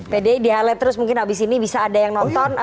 pdi di highlight terus mungkin abis ini bisa ada yang nonton